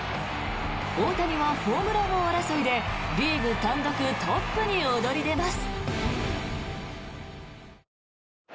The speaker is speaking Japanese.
大谷はホームラン王争いでリーグ単独トップに躍り出ます。